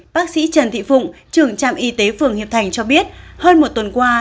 bác sĩ trần thị phụng trưởng trạm y tế phường hiệp thành cho biết hơn một tuần qua